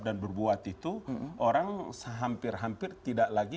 dan berbuat itu orang hampir hampir tidak lagi